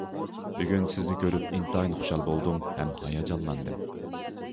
بۈگۈن سىزنى كۆرۈپ ئىنتايىن خۇشال بولدۇم ھەم ھاياجانلاندىم.